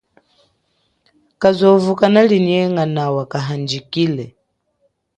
Kazovu kanalinyenga nawa kahandjikile.